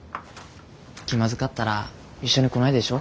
気まずかったら一緒に来ないでしょ。